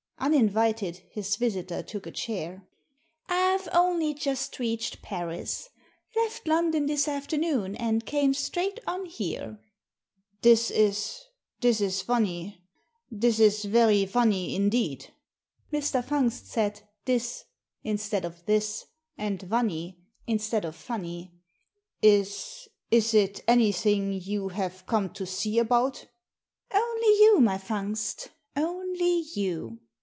Uninvited, his visitor took a chair. " I've only just reached Paris. Left London this afternoon, and came straight on here." Digitized by VjOOQIC THE DIAMONDS 203 " This IS — this is funny. This is very funny indeed." Mr. Fungst said "dis" instead of "this," and "vunny" instead of funny." '*Is — is it anything you have come to see about?" " Only you, my Fungst — only you."